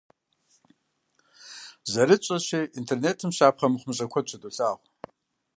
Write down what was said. ЗэрытщӀэщи, интернетым щапхъэ мыхъумыщӏэ куэд щыдолъагъу.